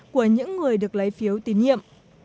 của những người được lấy phiếu tín nhiệm